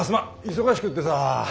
忙しくってさ。